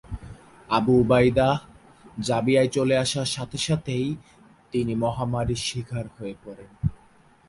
Abu Ubaidah জাবিয়ায় চলে আসার সাথে সাথেই তিনি মহামারীর শিকার হয়ে পড়েন।